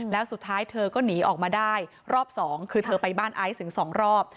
แล้วสุดท้ายเธอก็หนีออกมาได้รอบสองคือเธอไปบ้านไอซ์ถึงสองรอบ